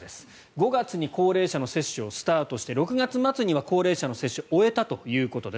５月に高齢者の接種をスタートして６月末には高齢者の接種を終えたということです。